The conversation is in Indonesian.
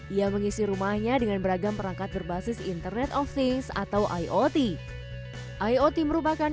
dua ribu dua puluh dua ia mengisi rumahnya dengan beragam perangkat berbasis internet office atau iot iot merupakan